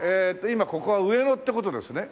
今ここは上野って事ですね？